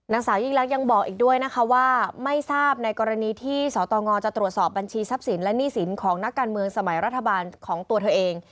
นางสาวยิ่งลักษณ์ยังบอกอีกด้วยนะคะว่าไม่ทราบในกรณีที่สตงจะตรวจสอบบัญชีทรัพย์สินและหนี้สินของนักการเมืองสมัยรัฐบาลของตัวเธอเอง